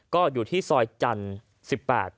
ก็อยู่ที่ซอยจันทร์๑๘